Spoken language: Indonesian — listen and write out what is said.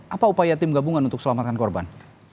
apa upaya tim gabungan untuk selamatkan korban